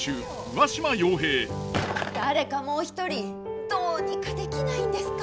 誰かもう一人どうにかできないんですか？